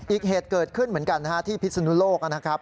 อีกเหตุเกิดขึ้นเหมือนกันที่พิศนุโลกนะครับ